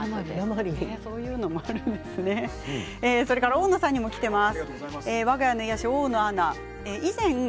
大野さんにもきています。